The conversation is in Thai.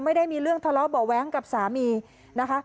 ไม่ได้มีเรื่องทะเลาะเบาะแว้งกับสามีนะคะ